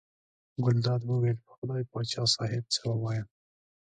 ګلداد وویل: په خدای پاچا صاحب څه ووایم.